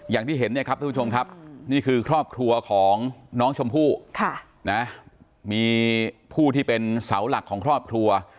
อย่างที่เห็นเนี่ยครับทุกผู้ชมครับนี่คือครอบครัวของน้องชมพู่มีผู้ที่เป็นเสาหลักของครอบครัว